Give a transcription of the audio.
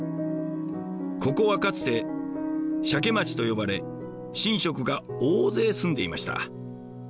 ここはかつて「社家町」と呼ばれ神職が大勢住んでいました。